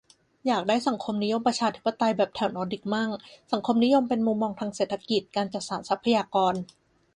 อยากได้สังคมนิยมประชาธิปไตยแบบแถวนอร์ดิกมั่ง สังคมนิยมเป็นมุมมองทางเศรษฐกิจ-การจัดสรรทรัพยากร